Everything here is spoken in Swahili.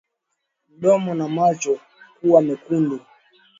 Mdomo na macho kuwa mekundu